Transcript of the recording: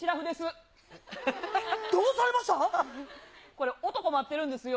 これ、男待ってるんですよ。